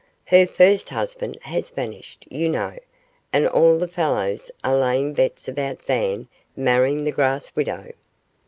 'Her first husband has vanished, you know, and all the fellows are laying bets about Van marrying the grass widow.